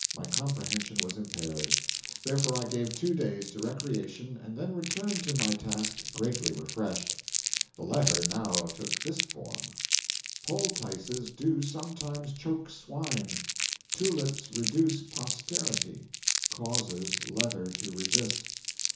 My comprehension was impaired. Therefore I gave two days to recreation, and then returned to my task greatly refreshed. The letter now took this form: "Poultices do sometimes choke swine; tulips reduce posterity; causes leather to resist.